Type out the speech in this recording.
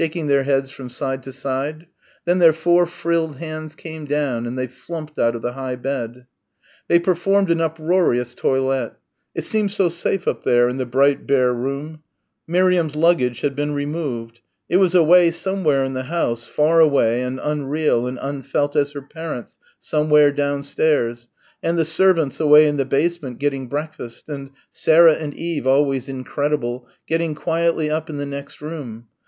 shaking their heads from side to side. Then their four frilled hands came down and they flumped out of the high bed. They performed an uproarious toilet. It seemed so safe up there in the bright bare room. Miriam's luggage had been removed. It was away somewhere in the house; far away and unreal and unfelt as her parents somewhere downstairs, and the servants away in the basement getting breakfast and Sarah and Eve always incredible, getting quietly up in the next room.